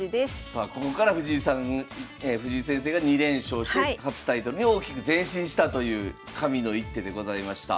さあここから藤井先生が２連勝して初タイトルに大きく前進したという「神の一手」でございました。